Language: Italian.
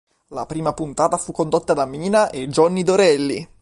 La prima puntata fu condotta da Mina e Johnny Dorelli.